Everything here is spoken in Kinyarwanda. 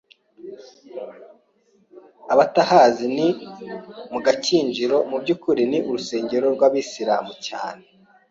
abatahazi ni mu Gakinjiro, muby’ukuri ni urusengero rw’ abasilimu cyane,